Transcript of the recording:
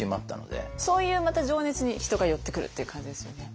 そういうまた情熱に人が寄ってくるっていう感じですよね。